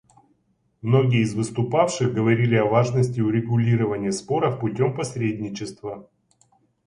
Многие из выступавших говорили о важности урегулирования споров путем посредничества.